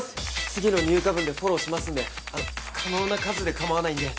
次の入荷分でフォローしますんで可能な数で構わないんで。